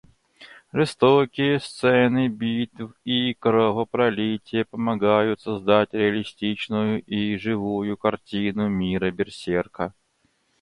Жестокие сцены битв и кровопролитие помогают создать реалистичную и живую картину мира Берсерка.